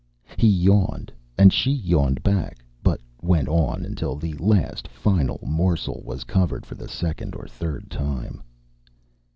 He yawned, and she yawned back, but went on until the last final morsel was covered for the second or third time.